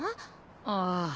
ああ。